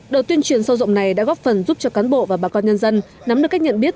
đầu tuyên truyền sâu rộng này đã góp phần giúp cho cán bộ và bà con nhân dân nắm được cách nhận biết